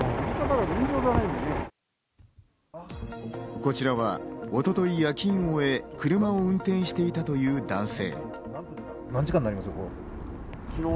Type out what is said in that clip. こちらは一昨日、夜勤を終え、車を運転していたという男性。